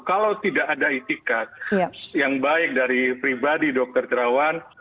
kalau tidak ada itikat yang baik dari pribadi dr terawan